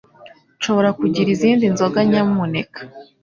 Nshobora kugira izindi nzoga nyamuneka?